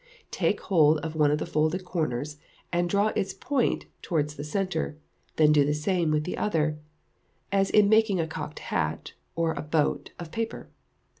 Take hold of one of the folded corners, and draw its point towards the centre; then do the same with the other, as in making a cocked hat, or a boat, of paper.